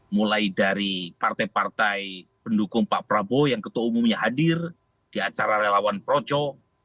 mulai dari partai partai pendukung pak prabowo yang ketua umumnya hadir di acara relawan projo